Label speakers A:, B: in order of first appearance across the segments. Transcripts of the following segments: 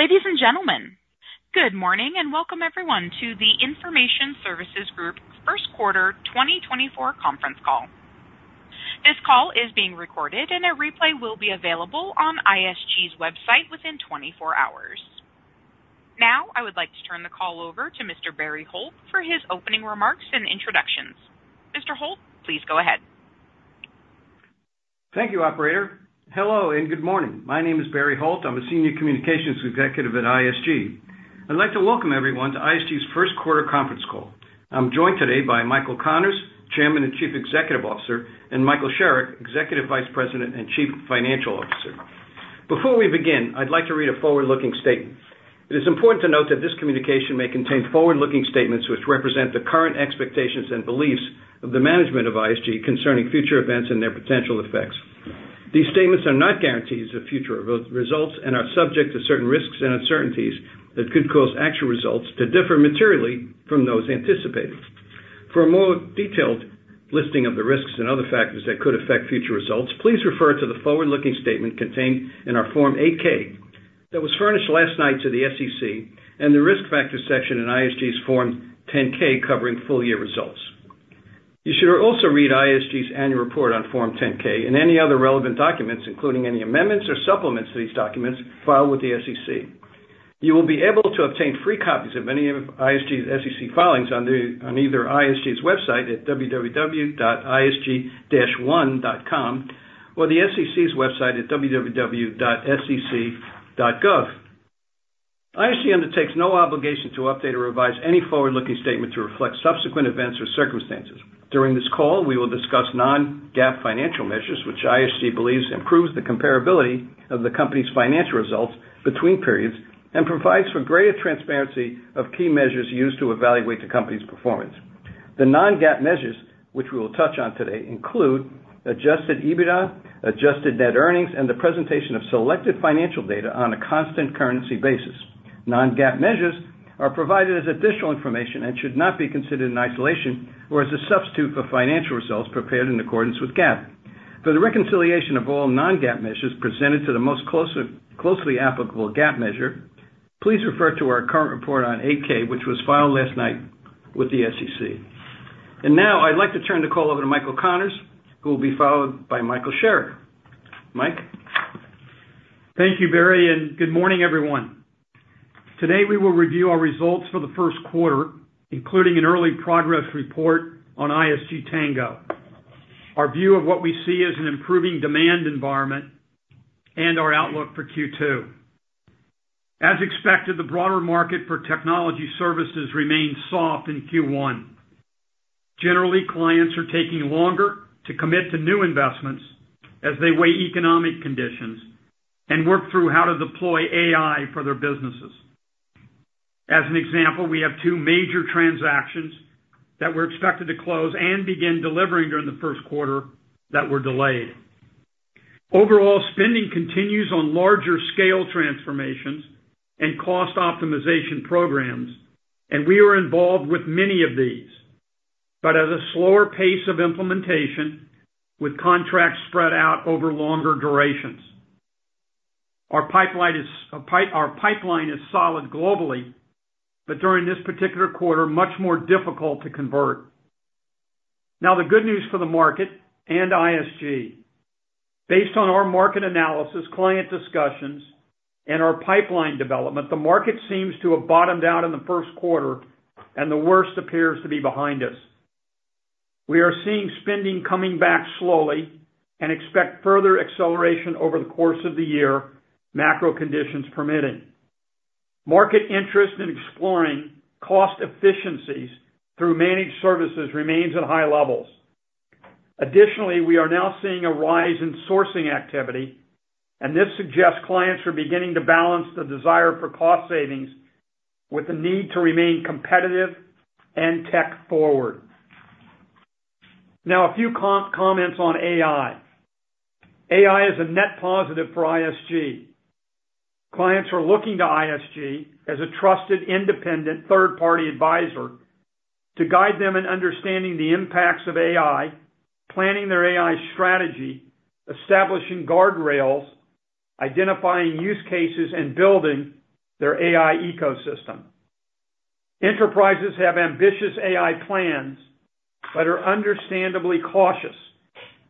A: Ladies and gentlemen, good morning, and welcome everyone to the Information Services Group First Quarter 2024 Conference Call. This call is being recorded, and a replay will be available on ISG's website within 24 hours. Now, I would like to turn the call over to Mr. Barry Holt for his opening remarks and introductions. Mr. Holt, please go ahead.
B: Thank you, operator. Hello, and good morning. My name is Barry Holt. I'm a Senior Communications Executive at ISG. I'd like to welcome everyone to ISG's first quarter conference call. I'm joined today by Michael Connors, Chairman and Chief Executive Officer, and Michael Sherrick, Executive Vice President and Chief Financial Officer. Before we begin, I'd like to read a forward-looking statement. It is important to note that this communication may contain forward-looking statements, which represent the current expectations and beliefs of the management of ISG concerning future events and their potential effects. These statements are not guarantees of future results and are subject to certain risks and uncertainties that could cause actual results to differ materially from those anticipated. For a more detailed listing of the risks and other factors that could affect future results, please refer to the forward-looking statement contained in our Form 8-K that was furnished last night to the SEC and the Risk Factors section in ISG's Form 10-K covering full year results. You should also read ISG's annual report on Form 10-K and any other relevant documents, including any amendments or supplements to these documents, filed with the SEC. You will be able to obtain free copies of any of ISG's SEC filings on either ISG's website at www.isg-one.com, or the SEC's website at www.sec.gov. ISG undertakes no obligation to update or revise any forward-looking statement to reflect subsequent events or circumstances. During this call, we will discuss non-GAAP financial measures, which ISG believes improves the comparability of the company's financial results between periods and provides for greater transparency of key measures used to evaluate the company's performance. The non-GAAP measures, which we will touch on today, include Adjusted EBITDA, adjusted net earnings, and the presentation of selected financial data on a constant currency basis. Non-GAAP measures are provided as additional information and should not be considered in isolation or as a substitute for financial results prepared in accordance with GAAP. For the reconciliation of all non-GAAP measures presented to the most closely applicable GAAP measure, please refer to our current report on 8-K, which was filed last night with the SEC. And now I'd like to turn the call over to Michael Connors, who will be followed by Michael Sherrick. Mike?
C: Thank you, Barry, and good morning, everyone. Today, we will review our results for the first quarter, including an early progress report on ISG Tango, our view of what we see as an improving demand environment, and our outlook for Q2. As expected, the broader market for technology services remained soft in Q1. Generally, clients are taking longer to commit to new investments as they weigh economic conditions and work through how to deploy AI for their businesses. As an example, we have two major transactions that were expected to close and begin delivering during the first quarter that were delayed. Overall, spending continues on larger scale transformations and cost optimization programs, and we are involved with many of these, but at a slower pace of implementation, with contracts spread out over longer durations. Our pipeline is solid globally, but during this particular quarter, much more difficult to convert. Now, the good news for the market and ISG: Based on our market analysis, client discussions, and our pipeline development, the market seems to have bottomed out in the first quarter, and the worst appears to be behind us. We are seeing spending coming back slowly and expect further acceleration over the course of the year, macro conditions permitting. Market interest in exploring cost efficiencies through managed services remains at high levels. Additionally, we are now seeing a rise in sourcing activity, and this suggests clients are beginning to balance the desire for cost savings with the need to remain competitive and tech forward. Now, a few comments on AI. AI is a net positive for ISG. Clients are looking to ISG as a trusted, independent, third-party advisor to guide them in understanding the impacts of AI, planning their AI strategy, establishing guardrails, identifying use cases, and building their AI ecosystem. Enterprises have ambitious AI plans but are understandably cautious,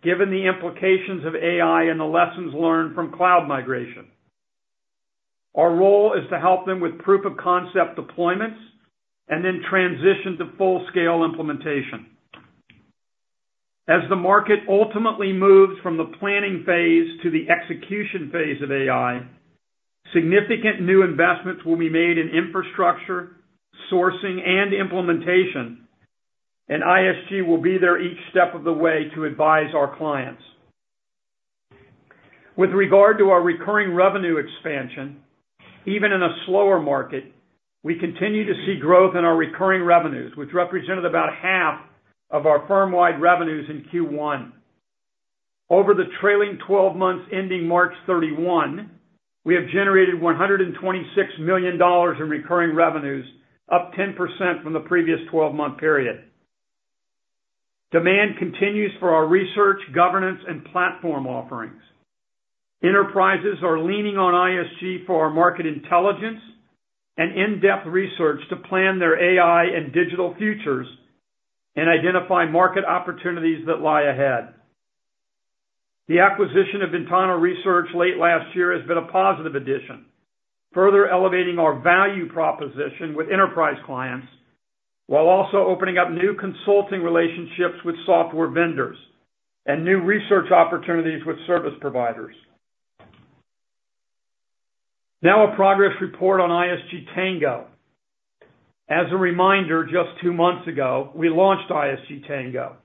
C: given the implications of AI and the lessons learned from cloud migration. Our role is to help them with proof-of-concept deployments and then transition to full-scale implementation. As the market ultimately moves from the planning phase to the execution phase of AI, significant new investments will be made in infrastructure, sourcing, and implementation, and ISG will be there each step of the way to advise our clients. With regard to our recurring revenue expansion, even in a slower market, we continue to see growth in our recurring revenues, which represented about half of our firm-wide revenues in Q1. Over the trailing 12 months, ending March 31, we have generated $126 million in recurring revenues, up 10% from the previous twelve-month period. Demand continues for our research, governance, and platform offerings. Enterprises are leaning on ISG for our market intelligence and in-depth research to plan their AI and digital futures and identify market opportunities that lie ahead. The acquisition of Ventana Research late last year has been a positive addition, further elevating our value proposition with enterprise clients, while also opening up new consulting relationships with software vendors and new research opportunities with service providers. Now, a progress report on ISG Tango. As a reminder, just 2 months ago, we launched ISG Tango,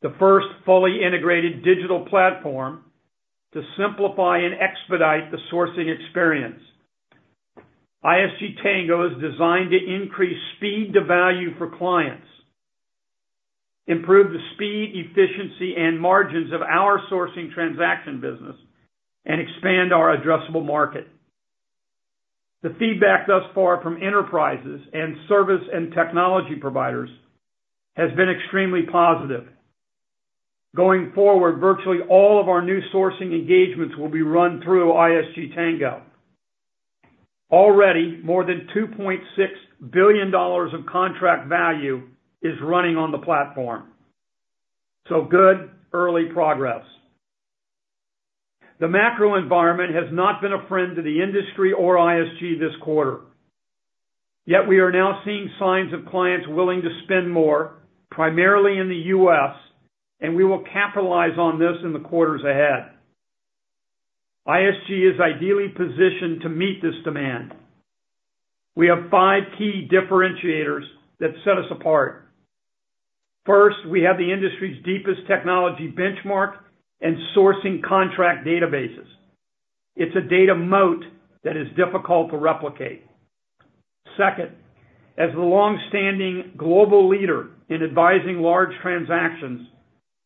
C: the first fully integrated digital platform to simplify and expedite the sourcing experience. ISG Tango is designed to increase speed to value for clients, improve the speed, efficiency, and margins of our sourcing transaction business, and expand our addressable market. The feedback thus far from enterprises and service and technology providers has been extremely positive. Going forward, virtually all of our new sourcing engagements will be run through ISG Tango. Already, more than $2.6 billion of contract value is running on the platform. So good early progress. The macro environment has not been a friend to the industry or ISG this quarter, yet we are now seeing signs of clients willing to spend more, primarily in the U.S., and we will capitalize on this in the quarters ahead. ISG is ideally positioned to meet this demand. We have five key differentiators that set us apart. First, we have the industry's deepest technology benchmark and sourcing contract databases. It's a data moat that is difficult to replicate. Second, as the long-standing global leader in advising large transactions,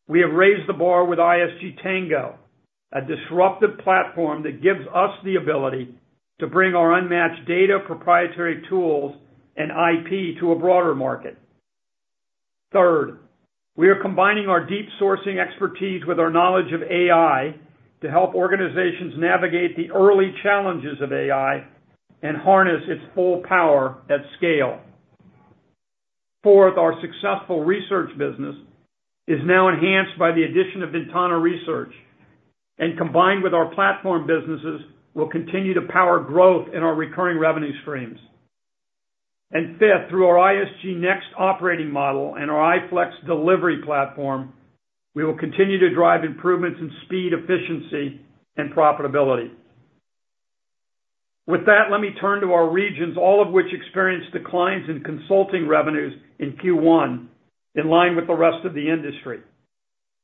C: we have raised the bar with ISG Tango, a disruptive platform that gives us the ability to bring our unmatched data, proprietary tools, and IP to a broader market. Third, we are combining our deep sourcing expertise with our knowledge of AI to help organizations navigate the early challenges of AI and harness its full power at scale. Fourth, our successful research business is now enhanced by the addition of Ventana Research, and combined with our platform businesses, will continue to power growth in our recurring revenue streams. And fifth, through our ISG NEXT operating model and our iFlex delivery platform, we will continue to drive improvements in speed, efficiency, and profitability. With that, let me turn to our regions, all of which experienced declines in consulting revenues in Q1, in line with the rest of the industry.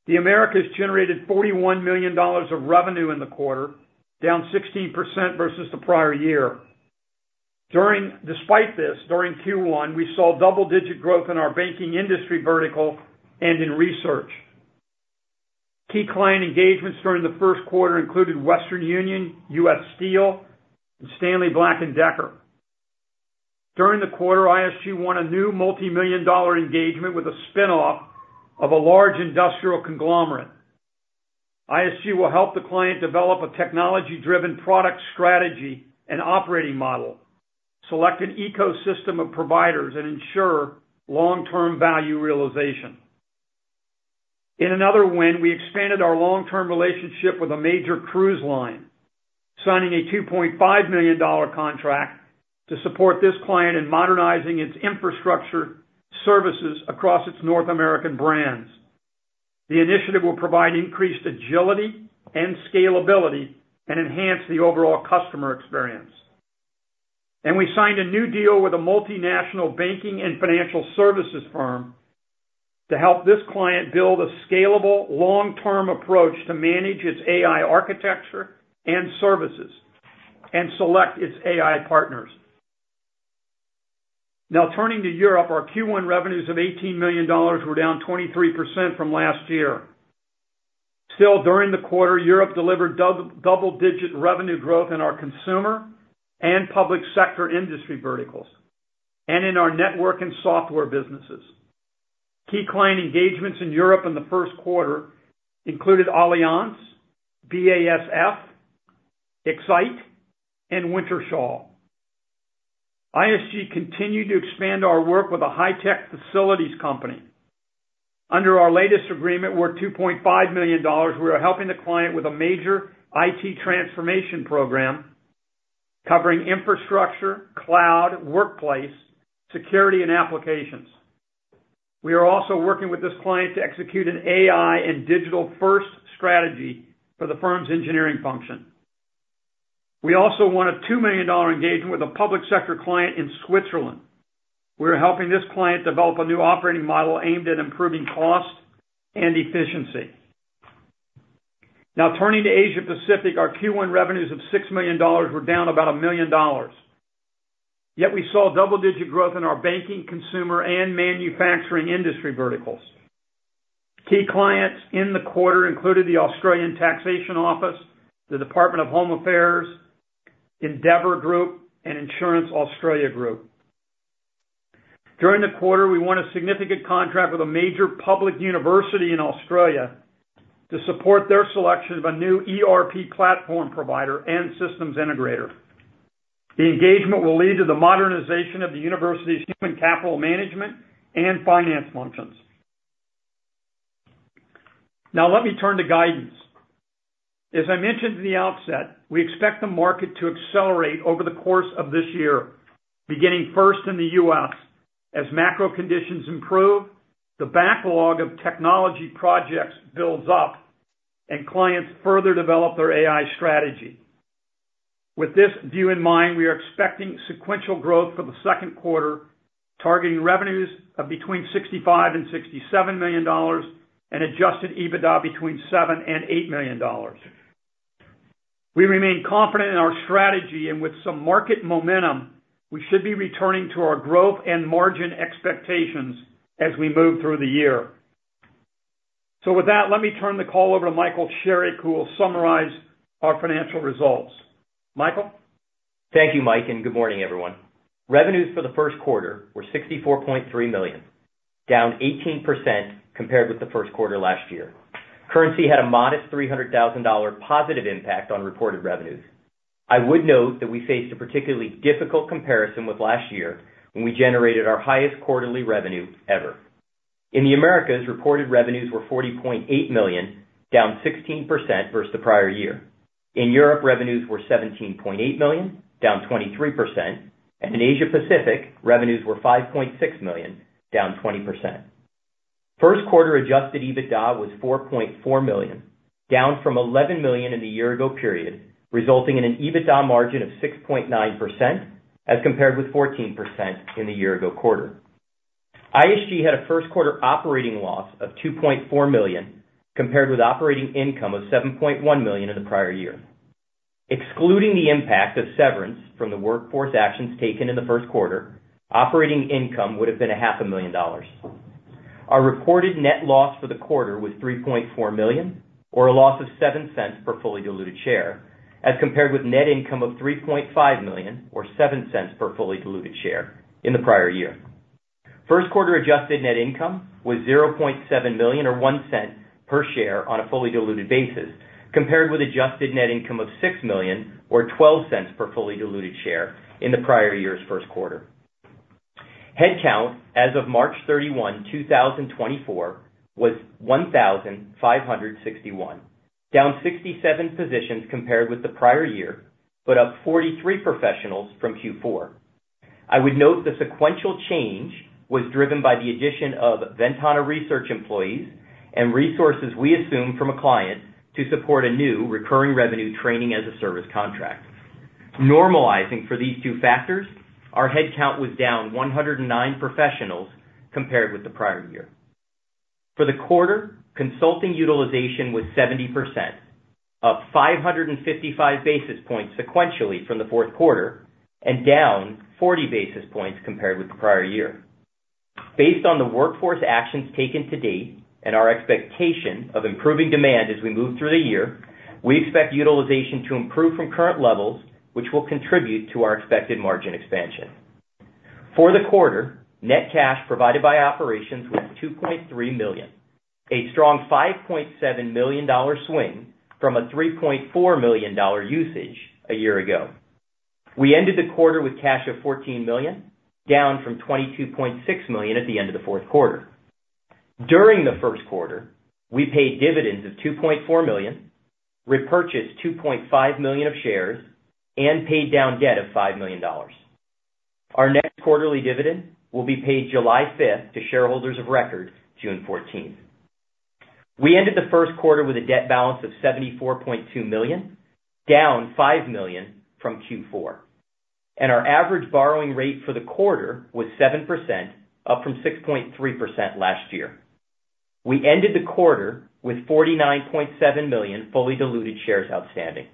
C: The Americas generated $41 million of revenue in the quarter, down 16% versus the prior year. Despite this, during Q1, we saw double-digit growth in our banking industry vertical and in research. Key client engagements during the first quarter included Western Union, U.S. Steel, and Stanley Black & Decker. During the quarter, ISG won a new multimillion-dollar engagement with a spin-off of a large industrial conglomerate. ISG will help the client develop a technology-driven product strategy and operating model, select an ecosystem of providers, and ensure long-term value realization. In another win, we expanded our long-term relationship with a major cruise line, signing a $2.5 million contract to support this client in modernizing its infrastructure services across its North American brands. The initiative will provide increased agility and scalability and enhance the overall customer experience. And we signed a new deal with a multinational banking and financial services firm to help this client build a scalable, long-term approach to manage its AI architecture and services and select its AI partners. Now, turning to Europe, our Q1 revenues of $18 million were down 23% from last year. Still, during the quarter, Europe delivered double-digit revenue growth in our consumer and public sector industry verticals and in our network and software businesses. Key client engagements in Europe in the first quarter included Allianz, BASF, Exyte, and Wintershall. ISG continued to expand our work with a high-tech facilities company. Under our latest agreement, worth $2.5 million, we are helping the client with a major IT transformation program covering infrastructure, cloud, workplace, security, and applications. We are also working with this client to execute an AI and digital-first strategy for the firm's engineering function. We also won a $2 million engagement with a public sector client in Switzerland. We are helping this client develop a new operating model aimed at improving cost and efficiency. Now, turning to Asia Pacific, our Q1 revenues of $6 million were down about $1 million. Yet we saw double-digit growth in our banking, consumer, and manufacturing industry verticals. Key clients in the quarter included the Australian Taxation Office, the Department of Home Affairs, Endeavour Group, and Insurance Australia Group. During the quarter, we won a significant contract with a major public university in Australia to support their selection of a new ERP platform provider and systems integrator. The engagement will lead to the modernization of the university's human capital management and finance functions. Now let me turn to guidance. As I mentioned in the outset, we expect the market to accelerate over the course of this year, beginning first in the U.S. As macro conditions improve, the backlog of technology projects builds up and clients further develop their AI strategy. With this view in mind, we are expecting sequential growth for the second quarter, targeting revenues of between $65 million and $67 million, and Adjusted EBITDA between $7 million and $8 million. We remain confident in our strategy, and with some market momentum, we should be returning to our growth and margin expectations as we move through the year. So with that, let me turn the call over to Michael Sherrick, who will summarize our financial results. Michael?
D: Thank you, Mike, and good morning, everyone. Revenues for the first quarter were $64.3 million, down 18% compared with the first quarter last year. Currency had a modest $300,000 positive impact on reported revenues. I would note that we faced a particularly difficult comparison with last year, when we generated our highest quarterly revenue ever. In the Americas, reported revenues were $40.8 million, down 16% versus the prior year. In Europe, revenues were $17.8 million, down 23%, and in Asia Pacific, revenues were $5.6 million, down 20%. First quarter Adjusted EBITDA was $4.4 million, down from $11 million in the year ago period, resulting in an EBITDA margin of 6.9%, as compared with 14% in the year ago quarter. ISG had a first quarter operating loss of $2.4 million, compared with operating income of $7.1 million in the prior year. Excluding the impact of severance from the workforce actions taken in the first quarter, operating income would have been $500,000. Our reported net loss for the quarter was $3.4 million, or a loss of -$0.07 per fully diluted share, as compared with net income of $3.5 million, or $0.07 per fully diluted share in the prior year. First quarter adjusted net income was $0.7 million or $0.01 per share on a fully diluted basis, compared with adjusted net income of $6 million, or $0.12 per fully diluted share in the prior year's first quarter. Headcount as of March 31, 2024, was 1,561, down 67 positions compared with the prior year, but up 43 professionals from Q4. I would note the sequential change was driven by the addition of Ventana Research employees and resources we assumed from a client to support a new recurring revenue training as a service contract. Normalizing for these two factors, our headcount was down 109 professionals compared with the prior year. For the quarter, consulting utilization was 70%, up 555 basis points sequentially from the fourth quarter, and down 40 basis points compared with the prior year. Based on the workforce actions taken to date and our expectation of improving demand as we move through the year, we expect utilization to improve from current levels, which will contribute to our expected margin expansion. For the quarter, net cash provided by operations was $2.3 million, a strong $5.7 million-dollar swing from a $3.4 million-dollar usage a year ago. We ended the quarter with cash of $14 million, down from $22.6 million at the end of the fourth quarter. During the first quarter, we paid dividends of $2.4 million, repurchased $2.5 million of shares, and paid down debt of $5 million. Our next quarterly dividend will be paid July fifth to shareholders of record, June fourteenth. We ended the first quarter with a debt balance of $74.2 million, down $5 million from Q4, and our average borrowing rate for the quarter was 7%, up from 6.3% last year. We ended the quarter with 49.7 million fully diluted shares outstanding.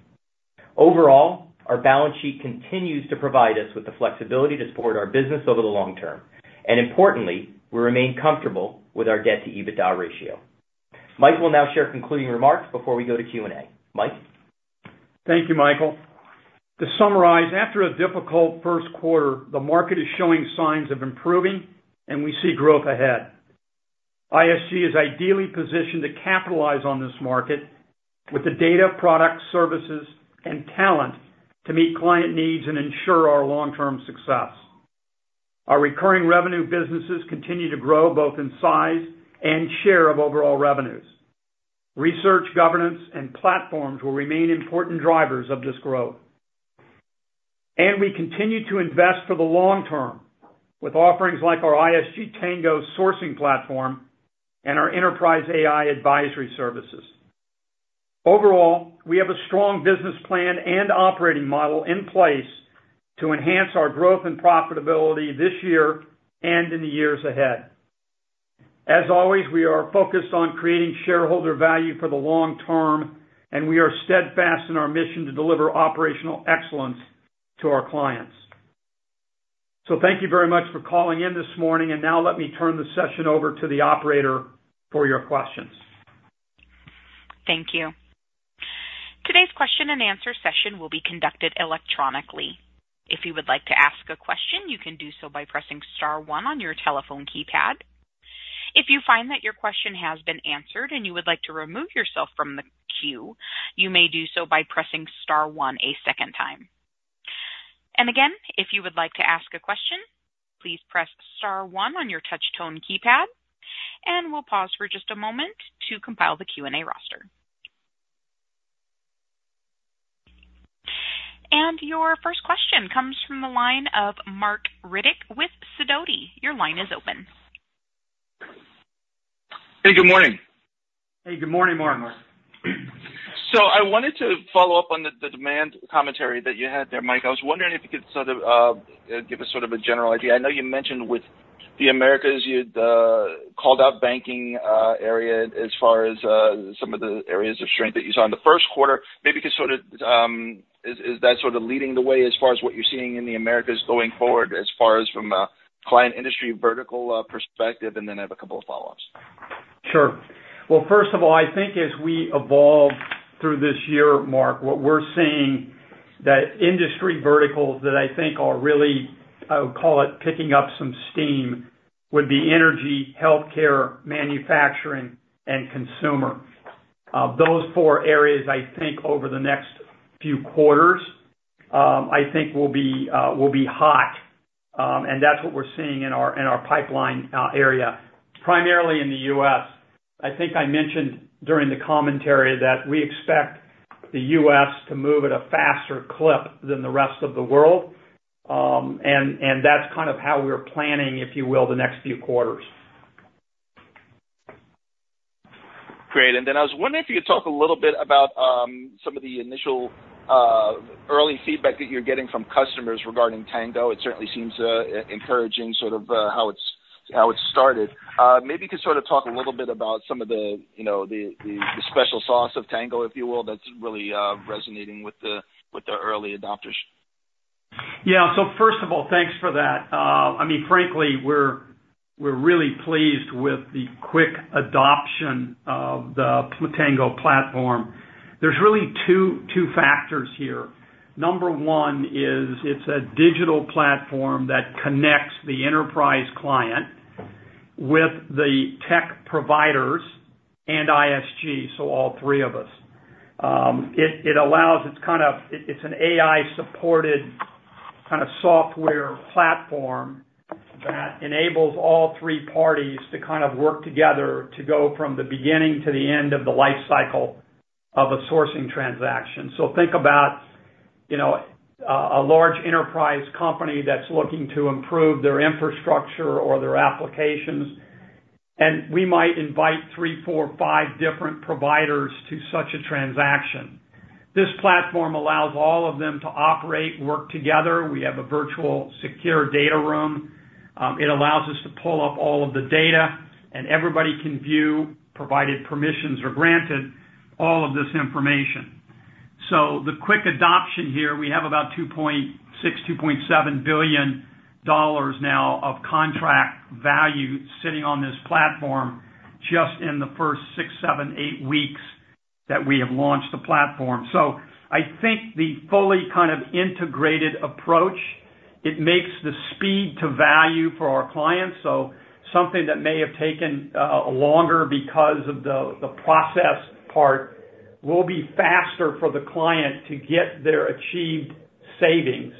D: Overall, our balance sheet continues to provide us with the flexibility to support our business over the long term, and importantly, we remain comfortable with our debt to EBITDA ratio. Mike will now share concluding remarks before we go to Q&A. Mike?
C: Thank you, Michael. To summarize, after a difficult first quarter, the market is showing signs of improving, and we see growth ahead. ISG is ideally positioned to capitalize on this market with the data, product, services, and talent to meet client needs and ensure our long-term success. Our recurring revenue businesses continue to grow both in size and share of overall revenues. Research, governance, and platforms will remain important drivers of this growth. We continue to invest for the long term with offerings like our ISG Tango sourcing platform and our enterprise AI advisory services. Overall, we have a strong business plan and operating model in place to enhance our growth and profitability this year and in the years ahead. As always, we are focused on creating shareholder value for the long term, and we are steadfast in our mission to deliver operational excellence to our clients. So thank you very much for calling in this morning, and now let me turn the session over to the operator for your questions.
A: Thank you. Today's question and answer session will be conducted electronically. If you would like to ask a question, you can do so by pressing star one on your telephone keypad. If you find that your question has been answered and you would like to remove yourself from the queue, you may do so by pressing star one a second time. And again, if you would like to ask a question, please press star one on your touchtone keypad, and we'll pause for just a moment to compile the Q&A roster. And your first question comes from the line of Mark Riddick with Sidoti. Your line is open.
E: Hey, good morning.
C: Hey, good morning, Mark.
E: So I wanted to follow up on the demand commentary that you had there, Mike. I was wondering if you could sort of give us sort of a general idea. I know you mentioned with the Americas, you'd called out banking area as far as some of the areas of strength that you saw in the first quarter. Maybe you could sort of is that sort of leading the way as far as what you're seeing in the Americas going forward, as far as from a client industry vertical perspective, and then I have a couple of follow-ups?
C: Sure. Well, first of all, I think as we evolve through this year, Mark, what we're seeing that industry verticals that I think are really, I would call it, picking up some steam, would be energy, healthcare, manufacturing, and consumer. Those four areas, I think over the next few quarters, I think will be, will be hot, and that's what we're seeing in our, in our pipeline, area, primarily in the U.S. I think I mentioned during the commentary that we expect the U.S. to move at a faster clip than the rest of the world. And, that's kind of how we're planning, if you will, the next few quarters.
E: Great. And then I was wondering if you could talk a little bit about some of the initial early feedback that you're getting from customers regarding Tango. It certainly seems encouraging, sort of, how it's started. Maybe you could sort of talk a little bit about some of the, you know, the special sauce of Tango, if you will, that's really resonating with the early adopters.
C: Yeah. So first of all, thanks for that. I mean, frankly, we're, we're really pleased with the quick adoption of the Tango platform. There's really two, two factors here. Number one is it's a digital platform that connects the enterprise client with the tech providers and ISG, so all three of us. It, it allows. It's kind of, it, it's an AI-supported kind of software platform that enables all three parties to kind of work together to go from the beginning to the end of the life cycle of a sourcing transaction. So think about, you know, a, a large enterprise company that's looking to improve their infrastructure or their applications, and we might invite three, four, five different providers to such a transaction. This platform allows all of them to operate, work together. We have a virtual secure data room. It allows us to pull up all of the data, and everybody can view, provided permissions are granted, all of this information. So the quick adoption here, we have about $2.6 billion-$2.7 billion now of contract value sitting on this platform just in the first six, seven, eight weeks that we have launched the platform. So I think the fully kind of integrated approach, it makes the speed to value for our clients. So something that may have taken longer because of the process part, will be faster for the client to get their achieved savings,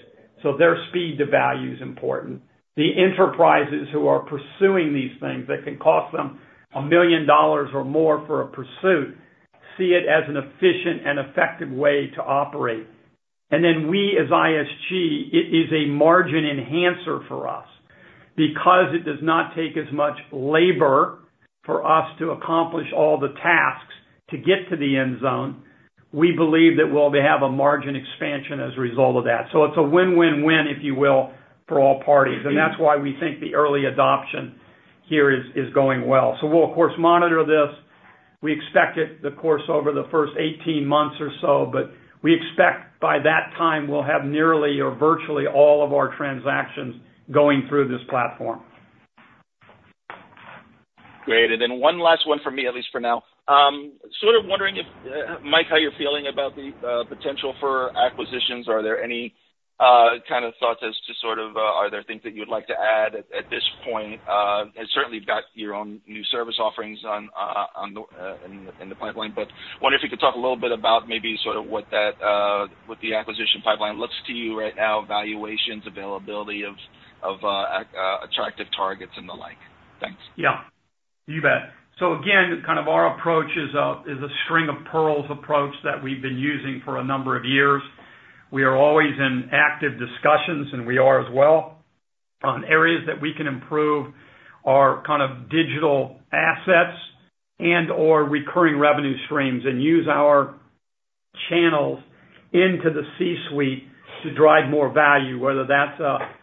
C: so their speed to value is important. The enterprises who are pursuing these things, that can cost them $1 million or more for a pursuit, see it as an efficient and effective way to operate. Then we, as ISG, it is a margin enhancer for us. Because it does not take as much labor for us to accomplish all the tasks to get to the end zone, we believe that we'll have a margin expansion as a result of that. So it's a win-win-win, if you will, for all parties, and that's why we think the early adoption here is going well. So we'll, of course, monitor this. We expect it, of course, over the first 18 months or so, but we expect by that time, we'll have nearly or virtually all of our transactions going through this platform.
E: Great. And then one last one for me, at least for now. Sort of wondering if, Mike, how you're feeling about the potential for acquisitions. Are there any kind of thoughts as to sort of, are there things that you'd like to add at this point? And certainly you've got your own new service offerings in the pipeline, but I wonder if you could talk a little bit about maybe sort of what that, what the acquisition pipeline looks to you right now, valuations, availability of attractive targets and the like. Thanks.
C: Yeah, you bet. So again, kind of our approach is a string of pearls approach that we've been using for a number of years. We are always in active discussions, and we are as well on areas that we can improve our kind of digital assets and/or recurring revenue streams and use our channels into the C-suite to drive more value, whether that's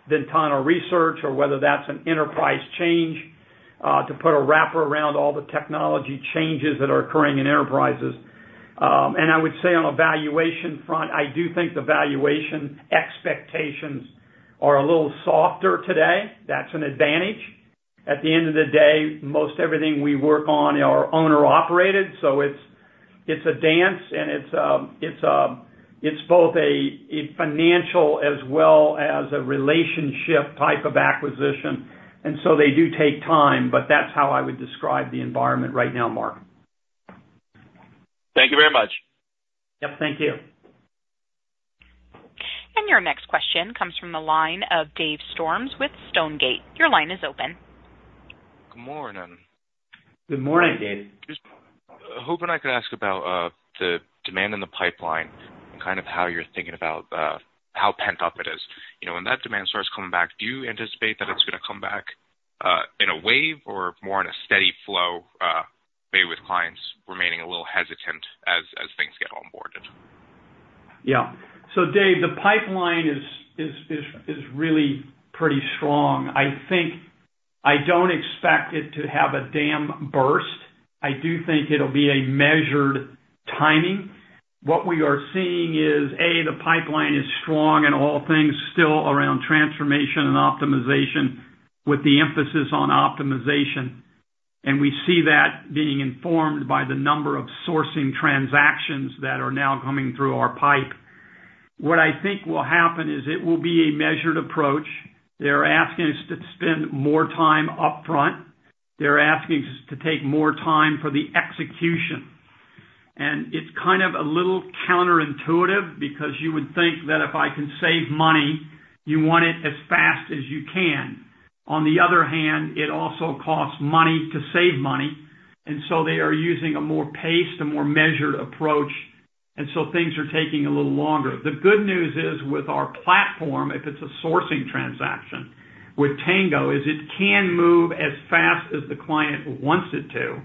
C: Ventana Research or whether that's an enterprise change to put a wrapper around all the technology changes that are occurring in enterprises. And I would say on a valuation front, I do think the valuation expectations are a little softer today. That's an advantage. At the end of the day, most everything we work on are owner-operated, so it's a dance, and it's both a financial as well as a relationship type of acquisition, and so they do take time, but that's how I would describe the environment right now, Mark.
E: Thank you very much.
C: Yep, thank you.
A: Your next question comes from the line of Dave Storms with Stonegate. Your line is open.
F: Good morning.
C: Good morning, Dave.
F: Just hoping I could ask about the demand in the pipeline, and kind of how you're thinking about how pent up it is. You know, when that demand starts coming back, do you anticipate that it's gonna come back in a wave or more in a steady flow, maybe with clients remaining a little hesitant as things get onboarded?
C: Yeah. So Dave, the pipeline is really pretty strong. I think... I don't expect it to have a dam burst. I do think it'll be a measured timing. What we are seeing is, A, the pipeline is strong and all things still around transformation and optimization, with the emphasis on optimization. And we see that being informed by the number of sourcing transactions that are now coming through our pipe. What I think will happen is it will be a measured approach. They're asking us to spend more time upfront. They're asking us to take more time for the execution. And it's kind of a little counterintuitive because you would think that if I can save money, you want it as fast as you can. On the other hand, it also costs money to save money, and so they are using a more paced, a more measured approach, and so things are taking a little longer. The good news is, with our platform, if it's a sourcing transaction with Tango, is it can move as fast as the client wants it to.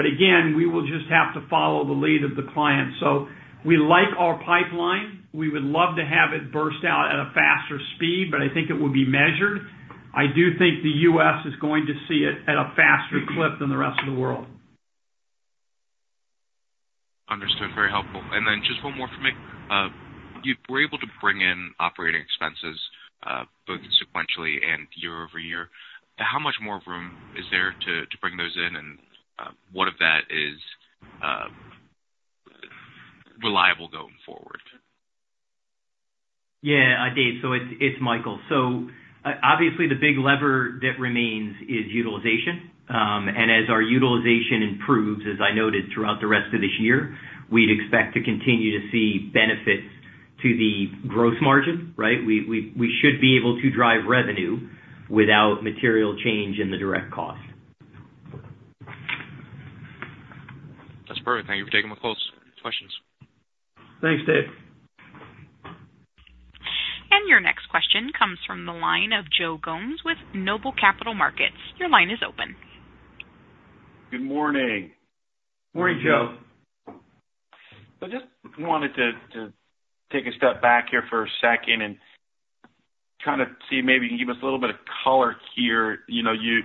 C: But again, we will just have to follow the lead of the client. So we like our pipeline. We would love to have it burst out at a faster speed, but I think it will be measured. I do think the U.S. is going to see it at a faster clip than the rest of the world.
F: Understood. Very helpful. And then just one more from me. You were able to bring in operating expenses both sequentially and year over year. How much more room is there to bring those in? And what of that is reliable going forward?
D: Yeah, Dave, so it's Michael. So obviously, the big lever that remains is utilization. And as our utilization improves, as I noted throughout the rest of this year, we'd expect to continue to see benefits to the gross margin, right? We should be able to drive revenue without material change in the direct cost.
F: That's perfect. Thank you for taking my calls, questions.
C: Thanks, Dave.
A: Your next question comes from the line of Joe Gomes with Noble Capital Markets. Your line is open.
G: Good morning.
C: Morning, Joe.
G: So just wanted to take a step back here for a second and kind of see if maybe you can give us a little bit of color here. You know, you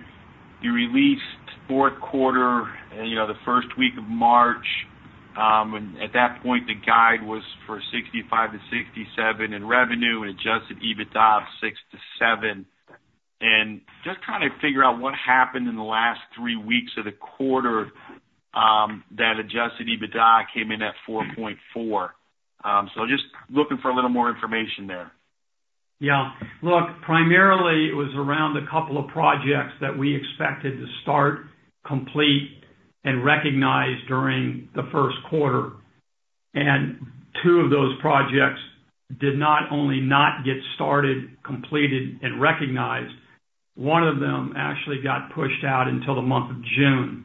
G: released fourth quarter, and you know, the first week of March, and at that point, the guide was for $65 million-$67 million in revenue and Adjusted EBITDA of $6 million-$7 million. And just kind of figure out what happened in the last three weeks of the quarter, that Adjusted EBITDA came in at $4.4 million. So just looking for a little more information there.
C: Yeah. Look, primarily, it was around a couple of projects that we expected to start, complete, and recognize during the first quarter, and two of those projects did not only not get started, completed, and recognized, one of them actually got pushed out until the month of June.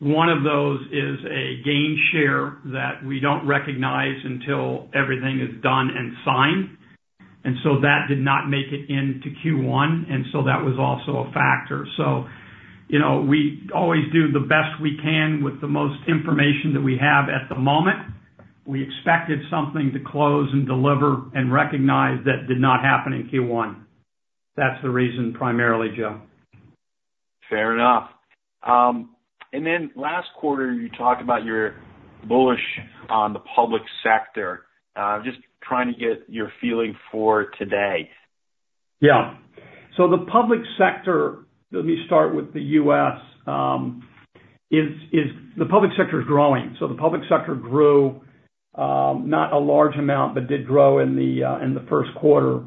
C: One of those is a gainshare that we don't recognize until everything is done and signed, and so that did not make it into Q1, and so that was also a factor. So, you know, we always do the best we can with the most information that we have at the moment. We expected something to close and deliver and recognize that did not happen in Q1. That's the reason, primarily, Joe.
G: Fair enough. And then last quarter, you talked about you're bullish on the public sector. Just trying to get your feeling for today?
C: Yeah. So the public sector, let me start with the US, the public sector is growing. So the public sector grew, not a large amount, but did grow in the first quarter.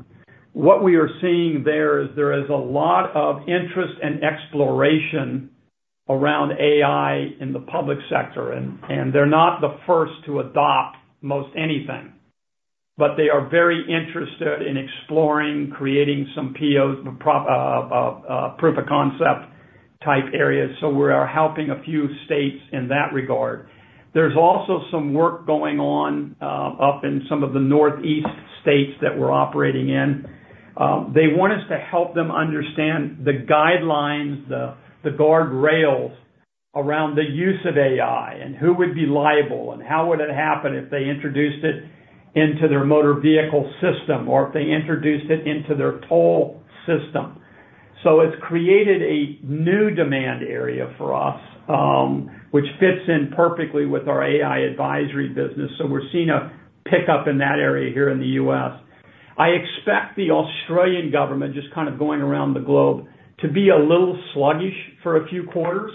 C: What we are seeing there is there is a lot of interest and exploration around AI in the public sector, and they're not the first to adopt most anything, but they are very interested in exploring, creating some PO proof of concept type areas. So we are helping a few states in that regard. There's also some work going on up in some of the Northeast states that we're operating in. They want us to help them understand the guidelines, the guardrails-... around the use of AI, and who would be liable, and how would it happen if they introduced it into their motor vehicle system, or if they introduced it into their toll system? So it's created a new demand area for us, which fits in perfectly with our AI advisory business. So we're seeing a pickup in that area here in the U.S. I expect the Australian government, just kind of going around the globe, to be a little sluggish for a few quarters,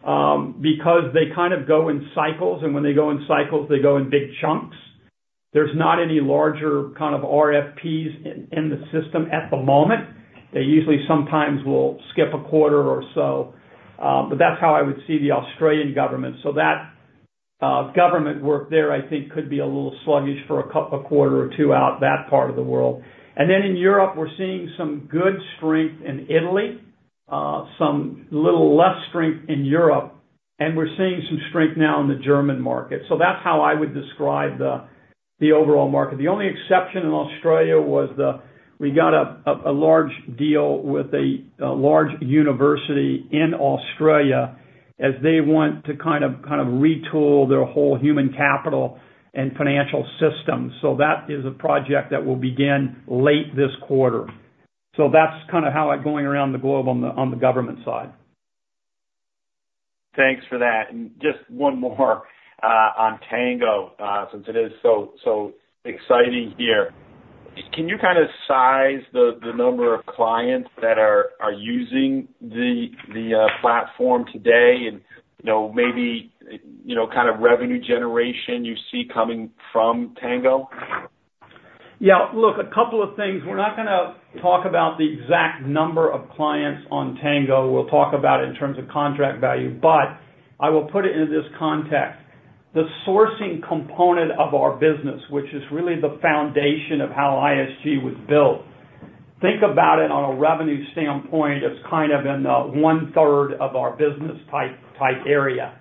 C: because they kind of go in cycles, and when they go in cycles, they go in big chunks. There's not any larger kind of RFPs in the system at the moment. They usually sometimes will skip a quarter or so, but that's how I would see the Australian government. So that government work there, I think, could be a little sluggish for a quarter or two out that part of the world. And then in Europe, we're seeing some good strength in Italy, some little less strength in Europe, and we're seeing some strength now in the German market. So that's how I would describe the overall market. The only exception in Australia was the—we got a large deal with a large university in Australia as they want to kind of, kind of retool their whole human capital and financial system. So that is a project that will begin late this quarter. So that's kind of how I'm going around the globe on the government side.
G: Thanks for that. And just one more, on Tango, since it is so, so exciting here. Can you kinda size the number of clients that are using the platform today and, you know, maybe, you know, kind of revenue generation you see coming from Tango?
C: Yeah, look, a couple of things. We're not gonna talk about the exact number of clients on Tango. We'll talk about it in terms of contract value, but I will put it into this context. The sourcing component of our business, which is really the foundation of how ISG was built, think about it on a revenue standpoint, it's kind of in the one-third of our business type area.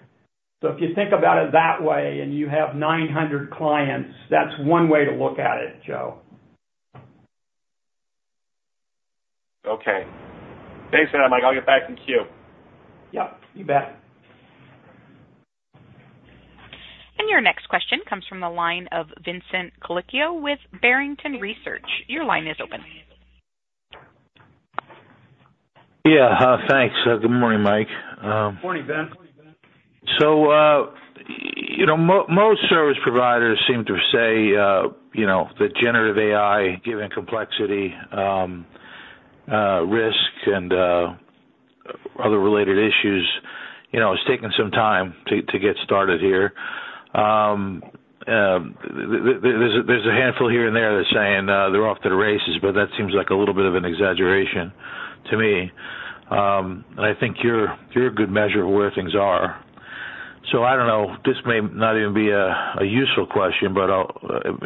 C: So if you think about it that way, and you have 900 clients, that's one way to look at it, Joe.
G: Okay. Thanks a lot, Mike. I'll get back in queue.
C: Yep, you bet.
A: Your next question comes from the line of Vincent Colicchio with Barrington Research. Your line is open.
H: Yeah, thanks. Good morning, Mike.
C: Morning, Vince.
H: So, you know, most service providers seem to say, you know, that generative AI, given complexity, risk and other related issues, you know, it's taking some time to get started here. There's a handful here and there that's saying they're off to the races, but that seems like a little bit of an exaggeration to me. And I think you're a good measure of where things are. So I don't know, this may not even be a useful question, but I'll...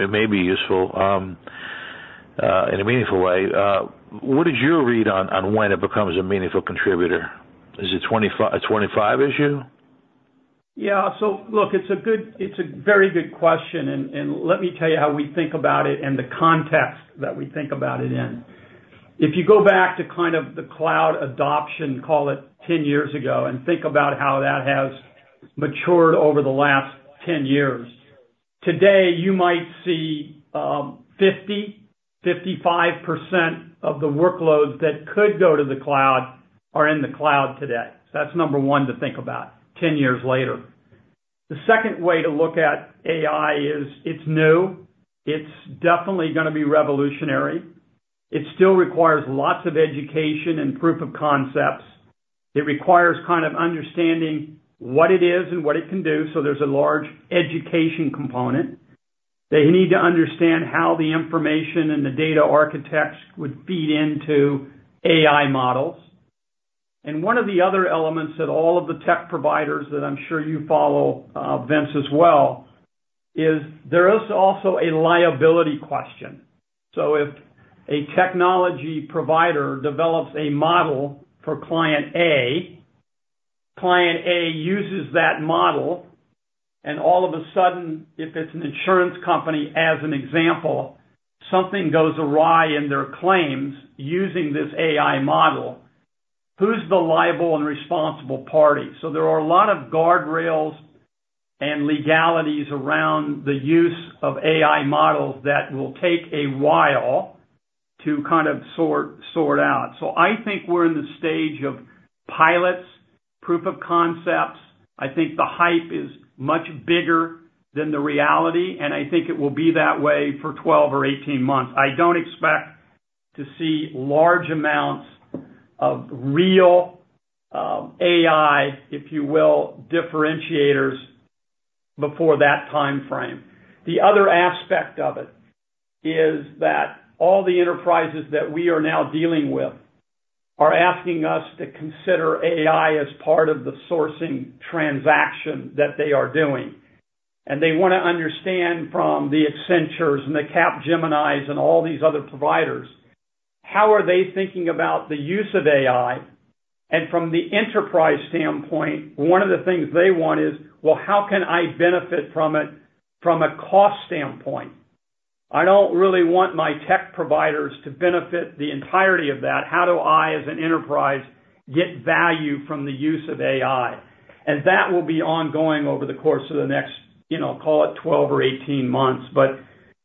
H: It may be useful in a meaningful way. What is your read on when it becomes a meaningful contributor? Is it a 2025 issue?
C: Yeah, so look, it's a good... It's a very good question, and let me tell you how we think about it and the context that we think about it in. If you go back to kind of the cloud adoption, call it 10 years ago, and think about how that has matured over the last 10 years, today, you might see 50%-55% of the workloads that could go to the cloud are in the cloud today. So that's number one to think about 10 years later. The second way to look at AI is it's new. It's definitely gonna be revolutionary. It still requires lots of education and proof of concepts. It requires kind of understanding what it is and what it can do, so there's a large education component. They need to understand how the information and the data architects would feed into AI models. One of the other elements that all of the tech providers, that I'm sure you follow, Vince, as well, is there is also a liability question. So if a technology provider develops a model for client A, client A uses that model, and all of a sudden, if it's an insurance company, as an example, something goes awry in their claims using this AI model, who's the liable and responsible party? So there are a lot of guardrails and legalities around the use of AI models that will take a while to kind of sort out. So I think we're in the stage of pilots, proof of concepts. I think the hype is much bigger than the reality, and I think it will be that way for 12 or 18 months. I don't expect to see large amounts of real AI, if you will, differentiators before that timeframe. The other aspect of it is that all the enterprises that we are now dealing with are asking us to consider AI as part of the sourcing transaction that they are doing. And they wanna understand from the Accenture and the Capgemini and all these other providers, how are they thinking about the use of AI? And from the enterprise standpoint, one of the things they want is: Well, how can I benefit from it from a cost standpoint? I don't really want my tech providers to benefit the entirety of that. How do I, as an enterprise, get value from the use of AI? And that will be ongoing over the course of the next, you know, call it 12 or 18 months.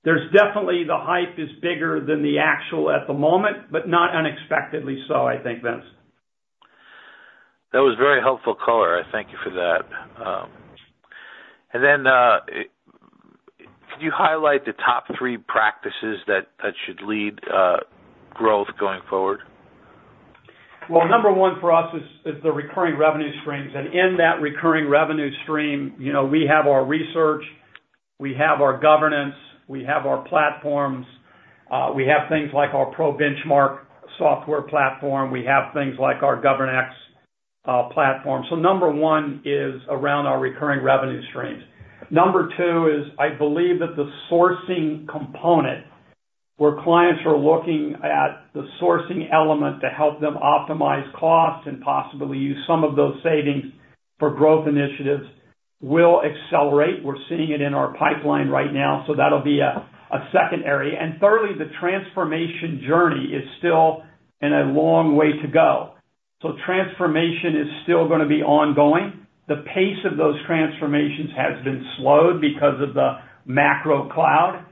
C: But there's definitely the hype is bigger than the actual at the moment, but not unexpectedly so, I think, Vince.
H: That was very helpful color. I thank you for that. And then, can you highlight the top three practices that should lead growth going forward?
C: Well, number one for us is the recurring revenue streams. And in that recurring revenue stream, you know, we have our research, we have our governance, we have our platforms, we have things like our ProBenchmark software platform. We have things like our GovernX platform. So number one is around our recurring revenue streams. Number two is I believe that the sourcing component, where clients are looking at the sourcing element to help them optimize costs and possibly use some of those savings for growth initiatives, will accelerate. We're seeing it in our pipeline right now, so that'll be a second area. And thirdly, the transformation journey is still in a long way to go. So transformation is still gonna be ongoing. The pace of those transformations has been slowed because of the macro cloud.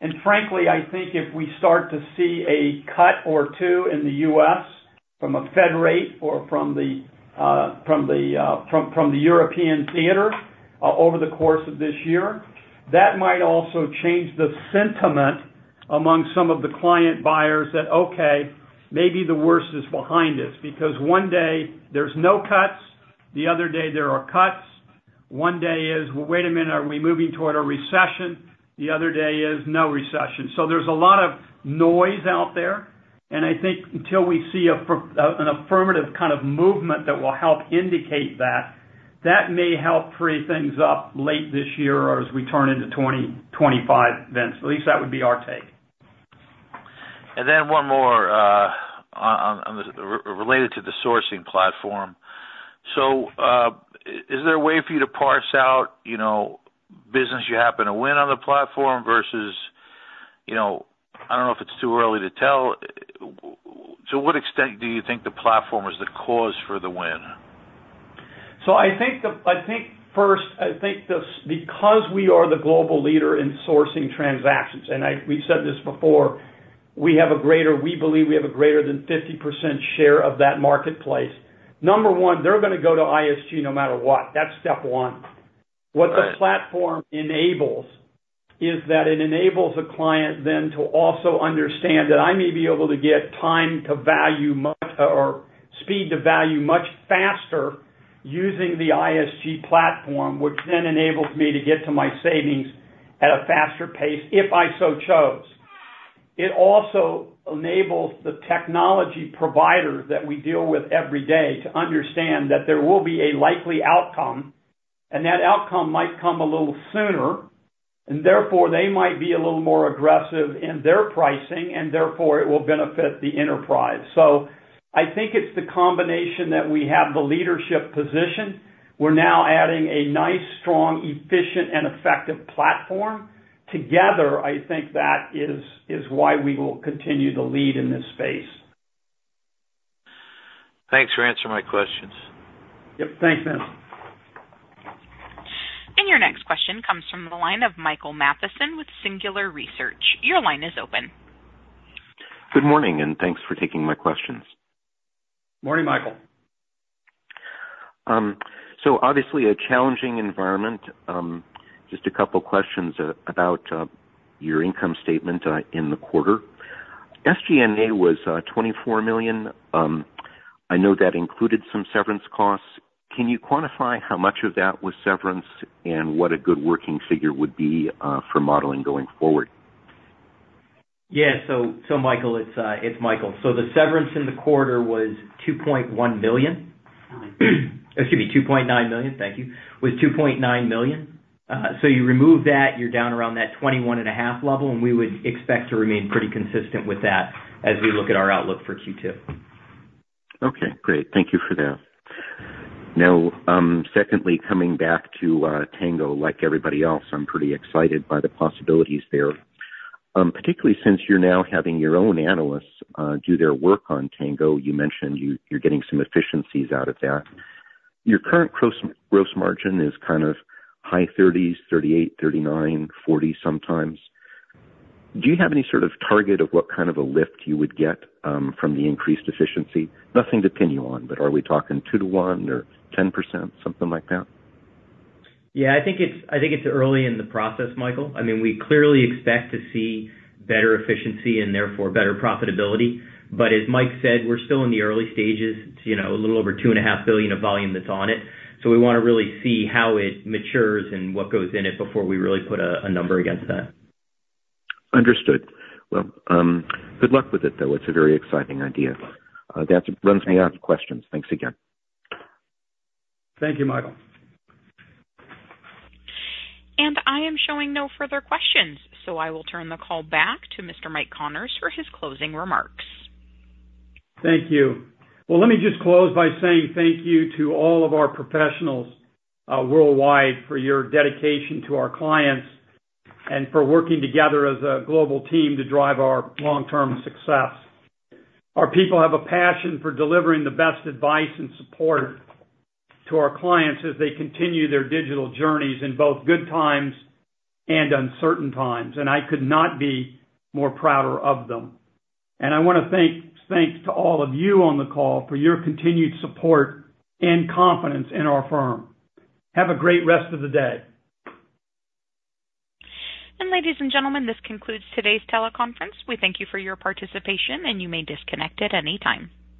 C: And frankly, I think if we start to see a cut or two in the US from a Fed rate or from the European theater over the course of this year, that might also change the sentiment among some of the client buyers that, okay, maybe the worst is behind us. Because one day there's no cuts, the other day there are cuts. One day is, "Well, wait a minute, are we moving toward a recession?" The other day is no recession. So there's a lot of noise out there, and I think until we see an affirmative kind of movement that will help indicate that, that may help free things up late this year or as we turn into 2025, Vince. At least that would be our take.
H: And then one more on the related to the sourcing platform. So, is there a way for you to parse out, you know, business you happen to win on the platform versus, you know, I don't know if it's too early to tell. To what extent do you think the platform is the cause for the win?
C: So I think first, because we are the global leader in sourcing transactions, and we've said this before, we believe we have a greater than 50% share of that marketplace. Number one, they're gonna go to ISG no matter what. That's step one.
H: Right.
C: What the platform enables is that it enables a client then to also understand that I may be able to get time to value much or speed to value much faster using the ISG platform, which then enables me to get to my savings at a faster pace, if I so chose. It also enables the technology provider that we deal with every day to understand that there will be a likely outcome, and that outcome might come a little sooner, and therefore, they might be a little more aggressive in their pricing, and therefore, it will benefit the enterprise. So I think it's the combination that we have, the leadership position. We're now adding a nice, strong, efficient, and effective platform. Together, I think that is, is why we will continue to lead in this space.
H: Thanks for answering my questions.
C: Yep. Thanks, Vince.
A: Your next question comes from the line of Michael Mathison with Singular Research. Your line is open.
I: Good morning, and thanks for taking my questions.
C: Morning, Michael.
I: So obviously a challenging environment. Just a couple questions about your income statement in the quarter. SG&A was $24 million. I know that included some severance costs. Can you quantify how much of that was severance and what a good working figure would be for modeling going forward?
D: Yeah. So, Michael, it's Michael. So the severance in the quarter was $2.1 million. Excuse me, $2.9 million, thank you. Was $2.9 million. So you remove that, you're down around that $21.5 million level, and we would expect to remain pretty consistent with that as we look at our outlook for Q2.
I: Okay, great. Thank you for that. Now, secondly, coming back to Tango. Like everybody else, I'm pretty excited by the possibilities there. Particularly since you're now having your own analysts do their work on Tango. You mentioned you're getting some efficiencies out of that. Your current gross margin is kind of high 30s, 38, 39, 40 sometimes. Do you have any sort of target of what kind of a lift you would get from the increased efficiency? Nothing to pin you on, but are we talking 2-to-1 or 10%, something like that?
D: Yeah, I think it's early in the process, Michael. I mean, we clearly expect to see better efficiency and therefore better profitability. But as Mike said, we're still in the early stages. It's, you know, a little over $2.5 billion of volume that's on it. So we wanna really see how it matures and what goes in it before we really put a number against that.
I: Understood. Well, good luck with it, though. It's a very exciting idea. That brings me out of questions. Thanks again.
C: Thank you, Michael.
A: I am showing no further questions, so I will turn the call back to Mr. Mike Connors for his closing remarks.
C: Thank you. Well, let me just close by saying thank you to all of our professionals worldwide for your dedication to our clients and for working together as a global team to drive our long-term success. Our people have a passion for delivering the best advice and support to our clients as they continue their digital journeys in both good times and uncertain times, and I could not be more prouder of them. I wanna thank. Thanks to all of you on the call for your continued support and confidence in our firm. Have a great rest of the day.
A: Ladies and gentlemen, this concludes today's teleconference. We thank you for your participation, and you may disconnect at any time.